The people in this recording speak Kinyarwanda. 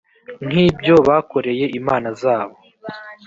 nk ibyo bakoreye imana zabo